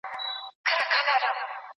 آیا د کابل حکومت به په شلو ورځو کې نسکور شي؟